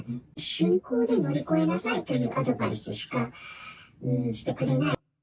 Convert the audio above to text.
信仰で乗り越えなさいというアドバイスしかしてくれない。